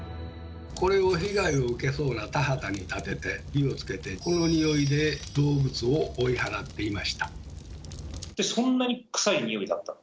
これを被害を受けそうな田畑に立てて火をつけてこのニオイで動物を追い払っていました。